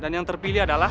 dan yang terpilih adalah